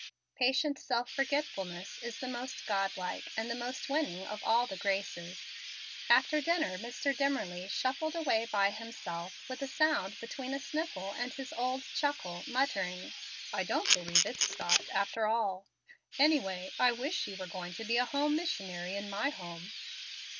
Patient self forgetfulness is the most God like and the most winning of all the graces. After dinner, Mr. Dimmerly shuffled away by himself, with a sound between a sniffle and his old chuckle, muttering, "I don't believe it's 'stopped,' after all. Anyway, I wish she were going to be a home missionary in my home."